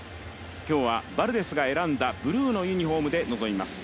今日はバルデスが選んだブルーのユニフォームで出場します。